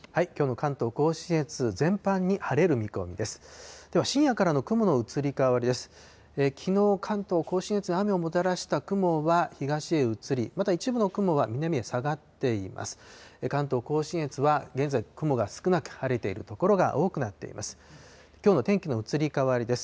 関東甲信越は、現在、雲が少なく、晴れている所が多くなっています。